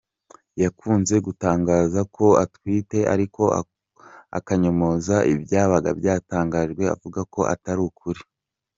Yakunze gutangazwaho ko atwite ariko akanyomoza ibyabaga byatangajwe avuga ko atari ukuri.